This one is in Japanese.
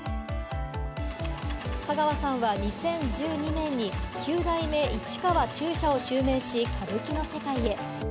香川さんは２０１２年に九代目・市川中車を襲名し、歌舞伎の世界へ。